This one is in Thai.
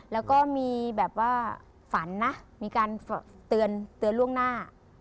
แล้วก็มีแบบว่าฝันนะมีการเตือนล่วงหน้า